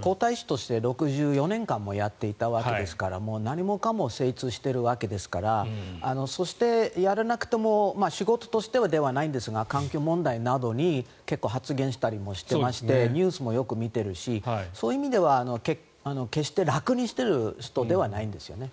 皇太子として６４年間もやっていたわけですからもう何もかも精通しているわけですからそしてやらなくても仕事としてではないんですが環境問題などに結構、発言したりもしてましてニュースもよく見ているしそういう意味では決して楽にしている人ではないんですよね。